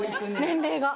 年齢が。